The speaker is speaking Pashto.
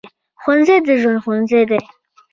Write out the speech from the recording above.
ښوونځی د ژوند ښوونځی دی